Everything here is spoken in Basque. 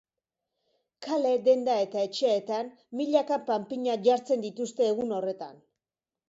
Kale, denda eta etxeetan milaka panpina jartzen dituzte egun horretan.